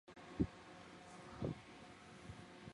持续针对危险建筑进行盘点